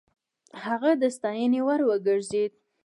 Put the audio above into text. هغه د ستاينې وړ وګرځېد.